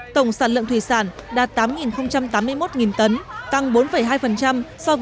tổng sản lượng thủy sản đạt tám tám mươi một tấn tăng bốn hai so với năm hai nghìn một mươi tám